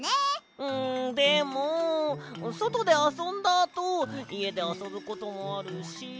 んでもそとであそんだあといえであそぶこともあるし。